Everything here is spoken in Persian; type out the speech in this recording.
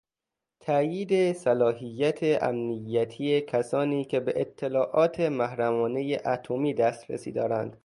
تایید صلاحیت امنیتی کسانی که به اطلاعات محرمانهی اتمی دسترسی دارند